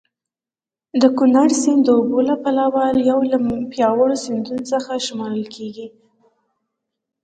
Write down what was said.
د کونړ سیند د اوبو له پلوه یو له پیاوړو سیندونو څخه شمېرل کېږي.